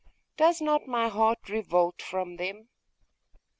Does not my heart revolt from them?